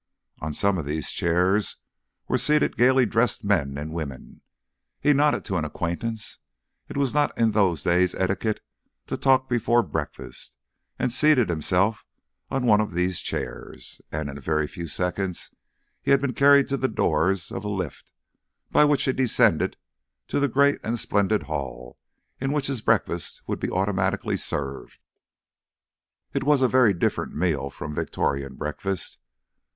On some of these chairs were seated gaily dressed men and women. He nodded to an acquaintance it was not in those days etiquette to talk before breakfast and seated himself on one of these chairs, and in a few seconds he had been carried to the doors of a lift, by which he descended to the great and splendid hall in which his breakfast would be automatically served. It was a very different meal from a Victorian breakfast.